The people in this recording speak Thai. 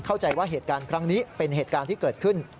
เข้าใจว่าเหตุการณ์ครั้งนี้เป็นเหตุการณ์ที่เกิดขึ้น